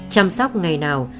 chăm sóc ngày nào